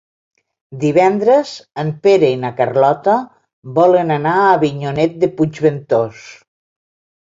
Divendres en Pere i na Carlota volen anar a Avinyonet de Puigventós.